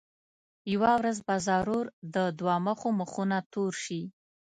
یوه ورځ به ضرور د دوه مخو مخونه تور شي.